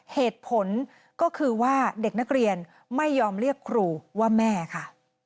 เหตุผลก็คือว่าเด็กนักเรียนไม่ยอมเรียกครูว่าแม่ค่ะ